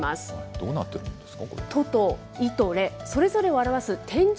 どうなってるんですか？